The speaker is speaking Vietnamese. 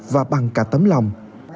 và bằng cả tấm lòng